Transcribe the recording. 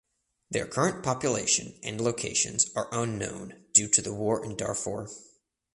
Their current population and locations are unknown due to the war in Darfur.